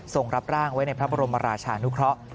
ส่งรับร่างไว้ในพระบรมราชานุเคราะห์